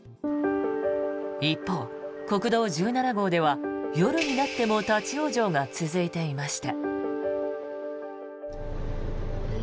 一方、国道１７号では夜になっても立ち往生が続いていました。